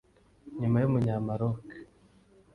nyuma y’umunya-Maroc